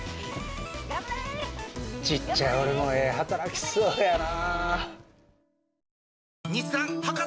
小っちゃい俺もええ働きしそうやな。